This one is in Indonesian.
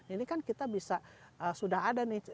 ini kan kita bisa sudah ada nih